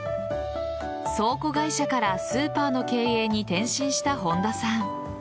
倉庫会社からスーパーの経営に転身した本田さん。